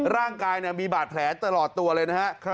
ร่างกายมีบาดแผลตลอดตัวเลยนะฮะ